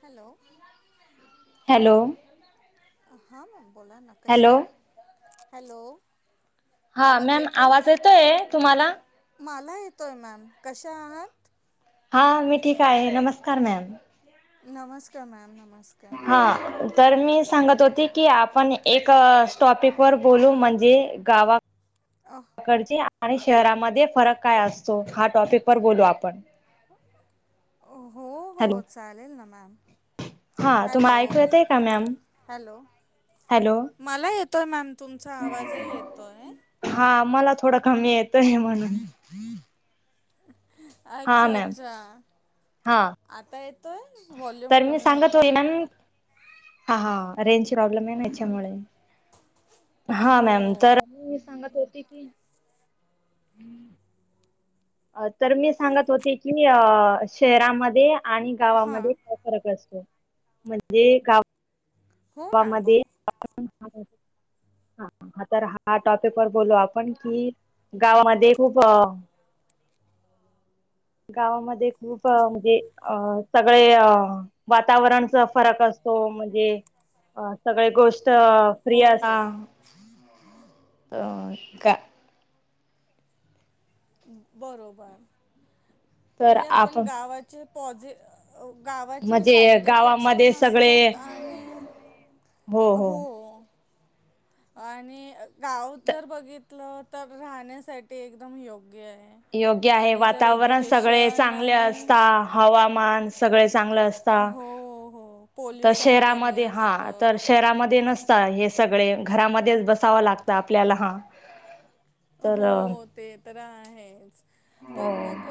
Hello hello हा ma'am बोला ना कश्या हॅलो आहे हॅलो हा आवाज मॅम येतोय आवाज येतोय तुम्हाला मला येतो आहे मॅम कशा आहात हा मी ठीक आहे नमस्कार मॅम नमस्कार मॅम नम हा तर मी सांगत होती की आपण एक सॉपिक वर बोलू म्हणजे गावा अह, पकडचे आणि शहरामध्ये फरक काय असतो हा टॉपिक व बोलू आपण हो हो हॅलो चालेल ना मॅम हा हॅलो तुम्हाला ऐकू येत आहे का मॅम हॅलो तर मॅम तुमचा आवाजही येतो आहे आम्हाला थोड कमी येतय म्हणून हा अच्छा मॅम अच्छा हा आता व्हॉल्यूम तर मी कमी सांगत होता होई ना हा हा रेंज प्रॉब्लेम आहे ना याच्यामुळे हा हो मॅम तर सांगत होती की हम्म तर मी सांगत होते की अ शहरामध्ये आणि गावामध्ये हां काय फरक असतो म्हणजे गाव हो मॅम ब मध्ये हा तर हा टॉपिक वर बोलू आपण कि गावामध्ये खूप गावामध्ये खूप म्हणजे अ सगळे अ वातावरणचा फरक असतो म्हणजे सगळे गोष्ट हो फ्रय हो का बरोबर म्हणजे आपण गावाचे प गावाचे म्हणजे साईड इफेक्ट्स पण गावामध्ये सगळे असतात आणि हो आणि गाव त जर बघितलं तर राहण्यासाठी एकदम योग्य आहे योग्य आहे आणि जर वातावरण सगळे एज्युकेशन चांगले आणि असत हवामान सगळे चग अस हो हो तर पोल्युशन कमी शरामध्ये हा तर असतं शरामध्ये न हे सगळे घरामध्येच बसावं लागत आपल्याला हा तर हो ते तर आहेच पण मग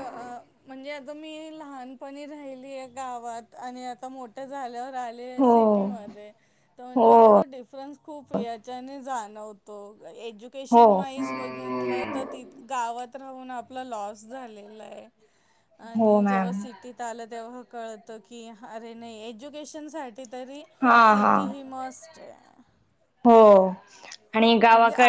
म्हणजे मी लहानपणी राहिली आहे गावात आणि आता मोठ्या झाल्यावर हो सटी म म्हणजे मला हो त हो डिफरन्स खूप याच्या [inaudible] हो तिथलं तर तिथ गावात राहून आपलं लॉस झालेलं आहे हो आणि जेव्हा मॅम सिटीत आलं तेव्हा कळतं की अरे नाही एज्युकेशनसाठी तरी हां सिटी हां ही मस् ते हो आणि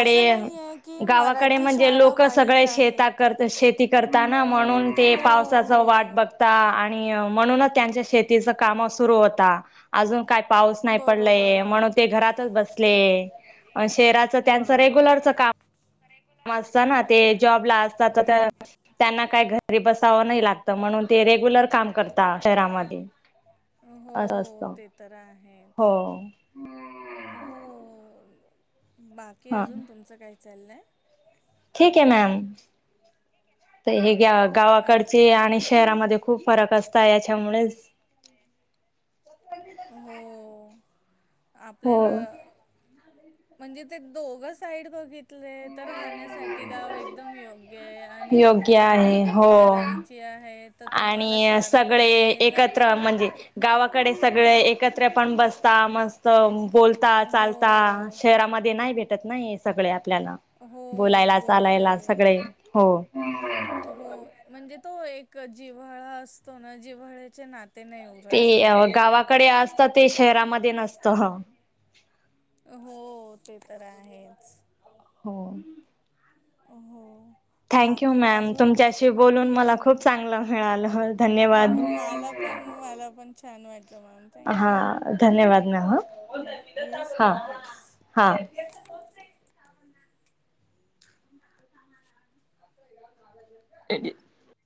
असं नाही आहे की गावाकडे मराठी म्हणजे शाळा लोक वाईट सगळे शेता आहेत. करत शेती करता म्हणून हो ते पावसाचा हो वाट बघता आणि म्हणूनच त्यांच्या शेतीच काम सुरू होता अजून काय पाऊस नाही पडलाय बरोबर म्हणून ते घरातच बसले शेराचं त्यांचं रेग्युलरच बरोबर काम काम असतना ते जना री बसावं नाही लागत म्हणून ते रेग्युलर काम करत शहरामध्ये हो असं असतं ते तर आहेच हो हो बाकी हा अजून तुमचं काय चाललंय ठीक आहे मॅम हे गावाकडचे अच्छा आणि शहरामध्ये खूप फरक असत सायाच्यामुळेच हो हो. आपल्याला म्हणजे ते दोघ साईड बघित ते तर राहण्यासाठी गाव एकदम योग्य आहे. आणि जर योग्य तुम्हाला आहे हो. प्रगती करायची आहे. तर तुम्हाला आणि सगळे शहराकडे येणंच एकत्र आहे म्हणजे गावाकडे सगळे एकत्र पण बसता मस्त बोलता चालता हो शहरामध्ये नाही भेटत पण नाही सगळे आपल्या हो बोलायला बरोबर चालायला सगळे आहे हो हो म्हणजे तो एक जिव्हाळा असतो ना जिव्हाळ्याचे नाते नाही ते उरत शहरात गावाकडे असत ते शहरामध्ये नसत हो ते तर आहेच हो हो हो थँक यू बाकी मॅम तुमच्याशी अजून बोलून मला येस खूप मॅम चांगलं मिळालं धन्यवाद हम्म, मला पण मला पण छान वाटलं मॅम हा थँक्यू धन्यवाद मॅम येस हा मॅम. येस हा येस [inaudible]